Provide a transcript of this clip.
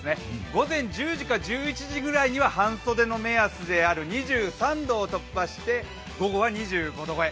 午前１０時か１１時ぐらいには半袖の目安である２３度を突破して、午後は２５度前。